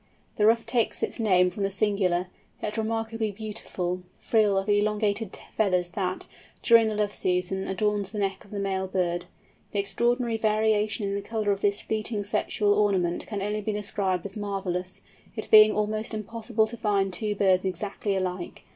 The Ruff takes it name from the singular, yet remarkably beautiful, frill of elongated feathers that, during the love season, adorns the neck of the male bird. The extraordinary variation in the colour of this fleeting sexual ornament can only be described as marvellous, it being almost impossible to find two birds exactly alike.